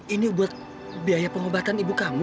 ini buat biaya pengobatan ibu kamu